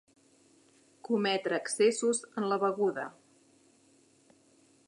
Cometre excessos en la beguda.